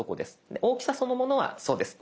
で大きさそのものはそうです。